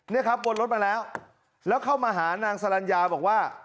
นี่ครับวนรถมาแล้วแล้วเข้ามาหานางสรรญาบอกว่า